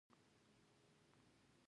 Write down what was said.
علامه حبیبي د مستند تاریخ پلوی و.